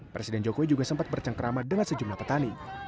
presiden jokowi juga sempat bercangkrama dengan sejumlah petani